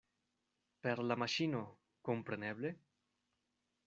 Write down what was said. Per la maŝino, kompreneble?